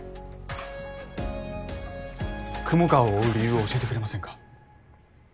雲川を追う理由を教えてくれませんか？